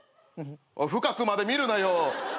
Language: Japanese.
深くまで見るなよ！